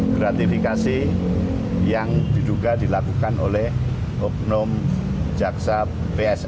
kreatifikasi yang diduga dilakukan oleh oknum jaksa psm